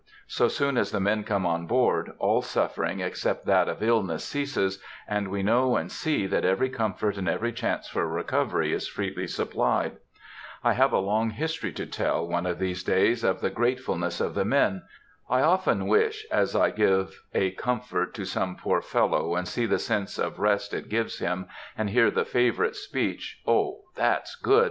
So soon as the men come on board, all suffering except that of illness ceases, and we know and see that every comfort and every chance for recovery is freely supplied. I have a long history to tell, one of these days, of the gratefulness of the men.... I often wish,—as I give a comfort to some poor fellow, and see the sense of rest it gives him, and hear the favorite speech, "O, that's good!